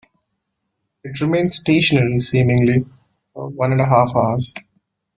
It remained stationary, seemingly, for one and a half hours.